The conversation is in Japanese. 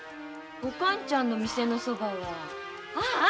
おかんちゃんの店のそばはああった。